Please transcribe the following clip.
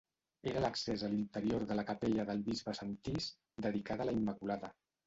Era l'accés a l'interior de la capella del bisbe Sentís, dedicada a la Immaculada.